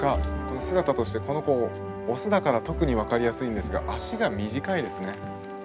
姿としてこの子オスだから特に分かりやすいんですが足が短いですね。